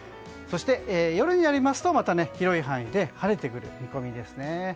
そして夜になりますとまた広い範囲で晴れてくる見込みです。